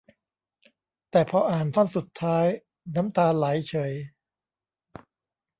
แต่พออ่านท่อนสุดท้าย น้ำตาไหลเฉย